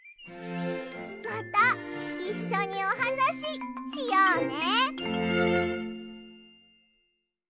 またいっしょにおはなししようね。